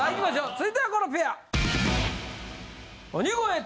続いてはこのペア。